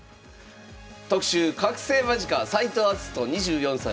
特集覚醒間近斎藤明日斗２４歳。